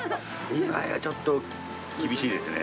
２枚はちょっと、厳しいですね。